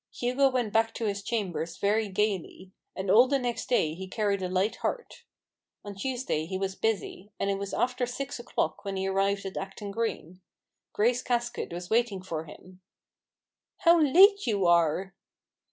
Hugo went back to his chambers very gaily; and all the next day he carried a light heart. On Tuesday he was busy ; and it was after six o'clock when he arrived at Acton Green. Grace Casket was waiting for him. " How late you are